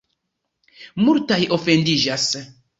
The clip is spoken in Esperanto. Multaj ofendiĝas.